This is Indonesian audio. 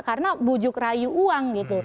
karena bujuk rayu uang